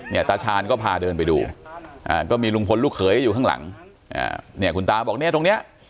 ตาชาญก็พาเดินไปดูก็มีลุงพลลูกเขยอยู่ข้างหลังเนี่ยคุณตาบอกเนี่ยตรงเนี้ย